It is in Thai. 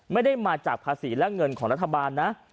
ไม่ได้มาจากภาษีและเงินของรัฐบาลนะ